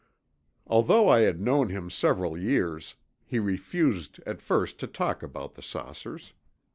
Although I had known him several years, he refused at first to talk about the saucers.